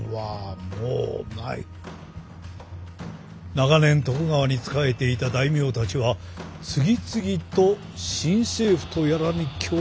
長年徳川に仕えていた大名たちは次々と新政府とやらに恭順した。